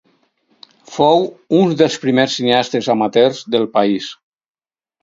Fou un dels primers cineastes amateurs del país.